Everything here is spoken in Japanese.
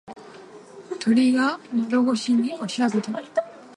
鳥が窓越しにおしゃべり。